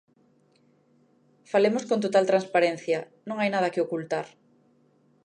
Falemos con total transparencia, non hai nada que ocultar.